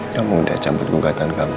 kamu udah cabut gugatan kamu